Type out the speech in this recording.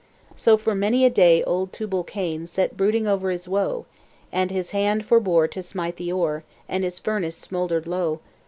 And for many a day old Tubal Cain Sat brooding o'er his woe; And his hand forbore to smite the ore, And his furnace smouldered low.